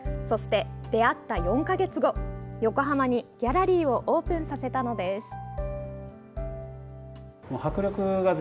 そして出会った４か月後横浜にギャラリーをオープンさせたのです。